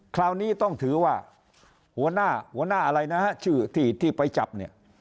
คราวนี้ต้องถือว่าหัวหน้าหัวหน้าอะไรนะฮะชื่อที่ไปจับเนี่ย